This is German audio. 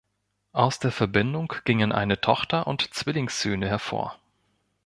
Aus der Verbindung gingen eine Tochter und Zwillingssöhne hervor.